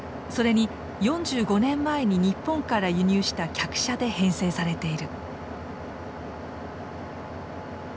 それに４５年前に日本から輸入した客車で編成されている。